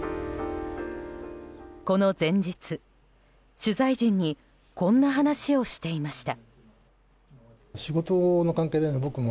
この前日、取材陣にこんな話をしていました。